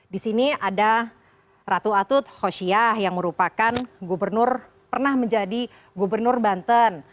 di sini ada ratu atut khosyah yang merupakan gubernur pernah menjadi gubernur banten